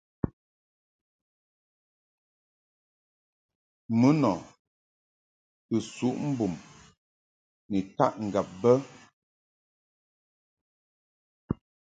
Mun ɔ kɨ suʼ mbum ni taʼ ŋgab be.